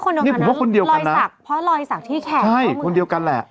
นี่ผมว่าคนเดียวกันนะรอยสักที่แขกเพราะมึงใช่คนเดียวกันแหละ